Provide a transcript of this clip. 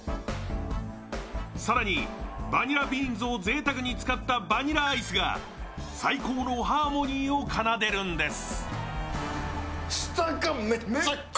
更に、バニラビーンズをぜいたくに使ったバニラアイスが最高のハーモニーを奏でるんです。